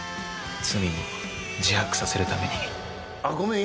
「罪を自白させるために」ごめん。